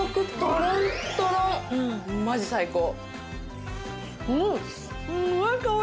マジ最高。